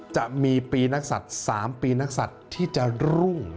จะมีปีนักศัตริย์๓ปีนักศัตริย์ที่จะรุ่ง